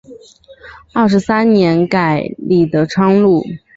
二十三年改隶德昌路。